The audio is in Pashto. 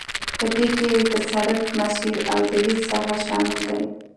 په دې کې د سرک مسیر او د لید ساحه شامل دي